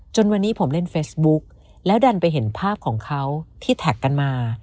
จนวันนี้ผมเล่นเฟซบุ๊กแล้วดันไปเห็นภาพของเขาที่แท็กกันมา